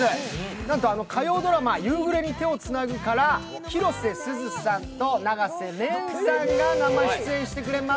なんと、火曜ドラマ「夕暮れに、手をつなぐ」から広瀬すずさんと永瀬廉さんが生出演してくれます。